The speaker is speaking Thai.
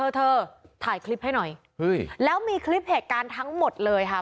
เธอถ่ายคลิปให้หน่อยเฮ้ยแล้วมีคลิปเหตุการณ์ทั้งหมดเลยค่ะ